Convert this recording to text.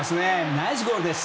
ナイスゴールです。